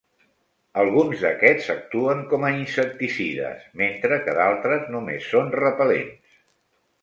Alguns d'aquests actuen com a insecticides, mentre que d'altres només són repel·lents.